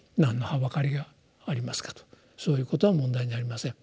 「そういうことは問題にありません」。